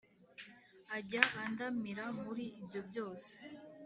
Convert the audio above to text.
Ajya anda mira muri ibyo byose